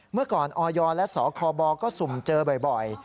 เมื่อก่อนออยและสคบก็สุ่มเจอบ่อย